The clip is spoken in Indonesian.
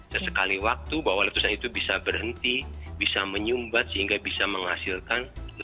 sesekali waktu bahwa letusan itu bisa berhenti bisa menyumbat sehingga bisa menghasilkan letusan yang lebih baik